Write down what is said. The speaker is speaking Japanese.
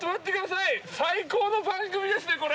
最高の番組ですね。